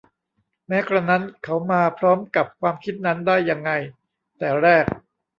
แม้กระนั้น เขามาพร้อมกับความคิดนั้นได้ยังไงแต่แรก